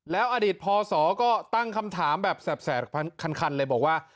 แล้วอดีตพศก็ตั้งคำถามแบบแสบคันเลยบอกว่า